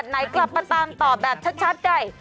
คุณติเล่าเรื่องนี้ให้ฮะ